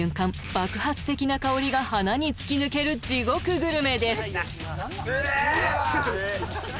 爆発的な香りが鼻に突き抜ける地獄グルメです